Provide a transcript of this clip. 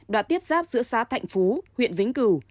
đã tiếp giáp giữa xá thạnh phú huyện vĩnh cửu